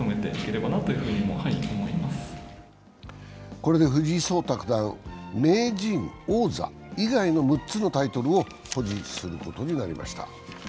これで藤井聡太九段、名人、王座以外の６つのタイトルを保持することになりました。